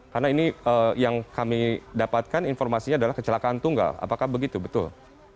karena ini yang kami dapatkan informasinya adalah kecelakaan tunggal apakah begitu betul